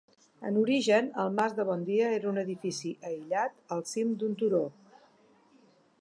En origen, el Mas de Bondia era un edifici aïllat, al cim d'un turó.